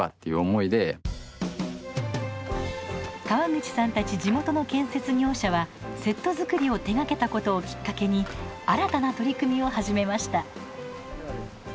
川口さんたち地元の建設業者はセット作りを手がけたことをきっかけに新たな取り組みを始めました。